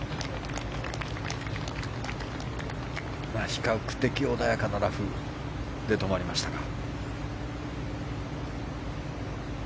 比較的穏やかなラフで止まりましたか。